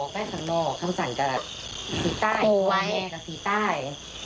อ๋อแม่ทางนอกคำสั่งกับสีใต้โค้งแม่กับสีใต้